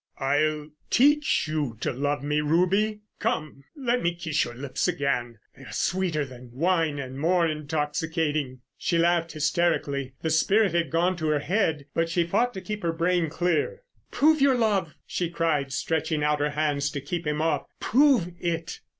"I'll teach you to love me, Ruby. Come, let me kiss your lips again—they are sweeter than wine and more intoxicating." She laughed hysterically. The spirit had gone to her head, but she fought to keep her brain clear. "Prove your love!" she cried, stretching out her hands to keep him off. "Prove it!"